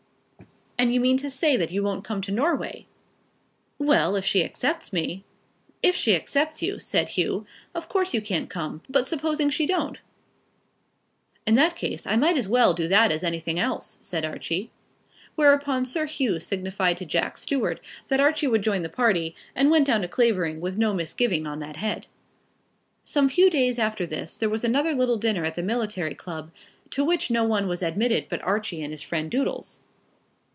"And you mean to say you won't come to Norway?" "Well; if she accepts me " "If she accepts you," said Hugh, "of course you can't come; but supposing she don't?" "In that case, I might as well do that as anything else," said Archie. Whereupon Sir Hugh signified to Jack Stuart that Archie would join the party, and went down to Clavering with no misgiving on that head. Some few days after this there was another little dinner at the military club, to which no one was admitted but Archie and his friend Doodles.